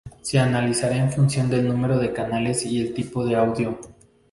Se analizará en función del número de canales y el tipo de audio.